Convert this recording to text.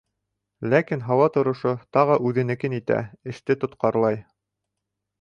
Ләкин һауа торошо тағы үҙенекен итә, эште тотҡарлай.